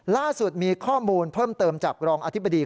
ล่าสุดมีข้อมูลเพิ่มเติมจากรองอธิบดี